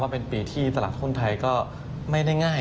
เป็นปีที่ตลาดหุ้นไทยก็ไม่ได้ง่าย